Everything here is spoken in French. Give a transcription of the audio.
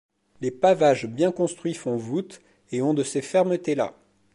Les pavages bien construits font voûte et ont de ces fermetés-là.